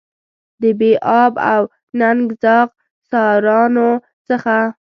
د بې آب او ننګ زاغ سارانو څخه.